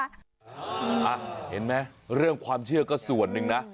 อ่ะเห็นมั้ยเรื่องความเชื่อก็ส่วนนึงนะ